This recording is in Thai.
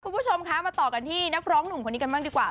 คุณผู้ชมคะมาต่อกันที่นักร้องหนุ่มคนนี้กันบ้างดีกว่า